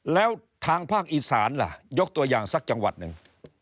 แล้วทางภาคอีสานล่ะยกตัวอย่างสักจังหวัดหนึ่ง